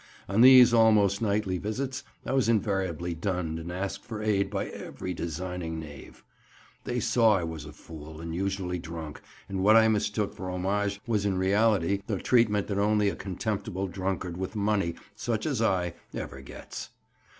On these almost nightly visits I was invariably dunned and asked for aid by every designing knave; they saw I was a fool, and usually drunk, and what I mistook for homage was in reality the treatment that only a contemptible drunkard with money, such as I, ever gets.